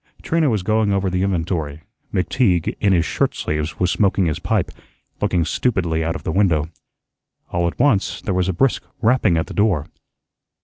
Trina was going over the inventory; McTeague, in his shirt sleeves, was smoking his pipe, looking stupidly out of the window. All at once there was a brisk rapping at the door.